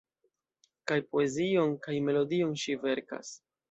Kaj poezion kaj melodion ŝi verkas.